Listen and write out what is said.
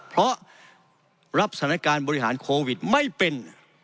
เพราะรับสถานการณ์บริหารโควิดไม่เป็น